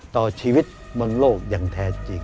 ต่อชีวิตบนโลกอย่างแท้จริง